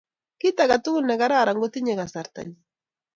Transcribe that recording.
Kit agetugul ne kararan kotinye kasarta nyii.